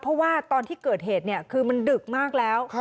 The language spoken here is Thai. เพราะว่าตอนที่เกิดเหตุคือมันดึกมากแล้ว